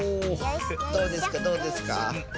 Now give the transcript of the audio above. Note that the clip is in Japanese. どうですかどうですか？